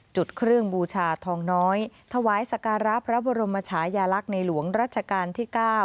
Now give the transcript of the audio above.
จุดเครื่องบูชาทองน้อยถวายสการะพระบรมชายาลักษณ์ในหลวงรัชกาลที่๙